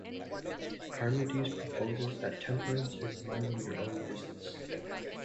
Charmides proposes that temperance is minding your own business.